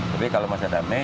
jadi kalau masa damai